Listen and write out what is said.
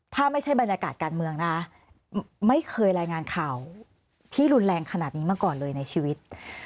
ถ้าไม่ใช่บรรยากาศการเมืองนะไม่เคยรายงานข่าวที่รุนแรงขนาดนี้มาก่อนเลยในชีวิต